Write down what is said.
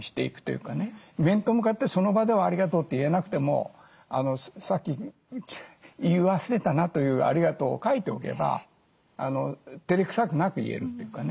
面と向かってその場では「ありがとう」って言えなくてもさっき言い忘れたなという「ありがとう」を書いておけばてれくさくなく言えるというかね。